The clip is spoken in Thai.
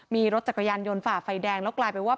มีรถจักรยานยนต์ฝ่าไฟแดงแล้วกลายเป็นว่า